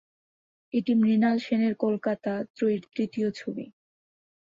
এটি মৃণাল সেনের কলকাতা ত্রয়ীর তৃতীয় ছবি।